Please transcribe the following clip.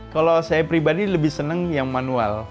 kalau saya pribadi lebih senang yang manual